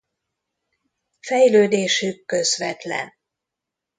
Fejlődésük közvetlen.